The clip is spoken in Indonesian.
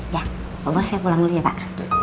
ya pak bos saya pulang dulu ya pak